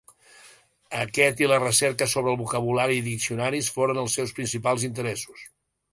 Aquest i la recerca sobre el vocabulari i diccionaris foren els seus principals interessos.